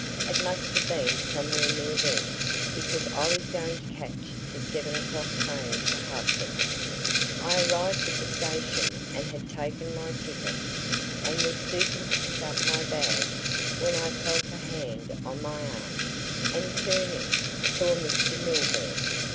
It must have been somewhere near then, because I was going to catch the seven o'clock train to Hertford. I arrived at the station and had taken my ticket, and was stooping to pick up my bag, when I felt a hand on my arm, and turning, saw Mr. Milburgh.